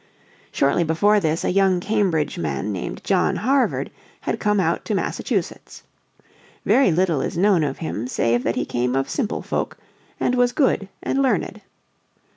Shortly before this a young Cambridge man named John Harvard had come out to Massachusetts. Very little is known of him save that he came of simple folk, and was good and learned.